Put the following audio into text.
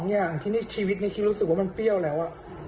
๒อย่างที่ชีวิตในคลิปรู้สึกว่ามันเปรี้ยวแล้ว